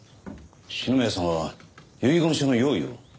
篠宮さんは遺言書の用意を？